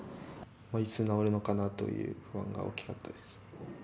いつ治るのかなという不安が大きかったです。